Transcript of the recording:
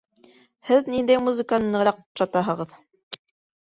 Һеҙ ниндәй музыканы нығыраҡ оҡшатаһығыҙ?